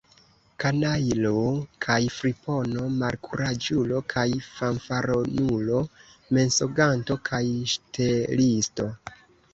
Kanajlo kaj fripono, malkuraĝulo kaj fanfaronulo, mensoganto kaj ŝtelisto!